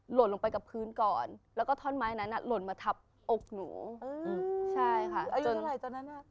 หล่นลงไปกับพื้นก่อนแล้วก็ท่อนไม้นั้นอ่ะหล่นมาทับอกหนูอืมใช่ค่ะอายุเท่าไหร่ตอนนั้นอ่ะ